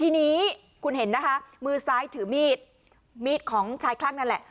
ทีนี้คุณเห็นนะคะมือซ้ายถือมีดมีดของชายคลั่งนั่นแหละ